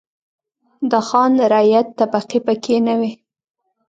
د خان-رعیت طبقې پکې نه وې.